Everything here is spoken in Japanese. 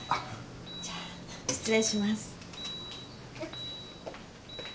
じゃあ失礼します